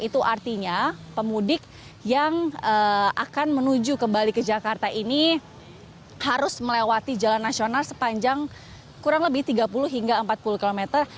itu artinya pemudik yang akan menuju kembali ke jakarta ini harus melewati jalan nasional sepanjang kurang lebih tiga puluh hingga empat puluh km